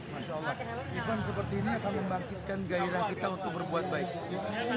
masya allah iklan seperti ini akan membangkitkan gairah kita untuk berbuat baik